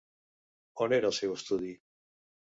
On era el seu estudi?